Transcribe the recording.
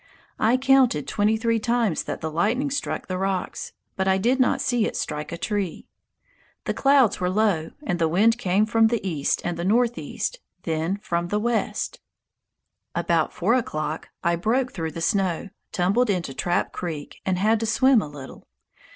I counted twenty three times that the lightning struck the rocks, but I did not see it strike a tree. The clouds were low, and the wind came from the east and the northeast, then from the west. [Illustration: A STORM ON THE ROCKIES] About four o'clock, I broke through the snow, tumbled into Trap Creek, and had to swim a little.